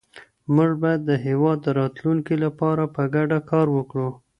موږ بايد د هېواد د راتلونکي لپاره په ګډه کار وکړو.